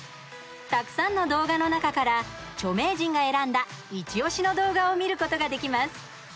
たくさんの動画の中から著名人が選んだイチおしの動画を見ることができます。